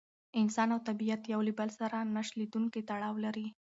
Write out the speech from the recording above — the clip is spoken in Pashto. انسان او طبیعت یو له بل سره نه شلېدونکی تړاو لري.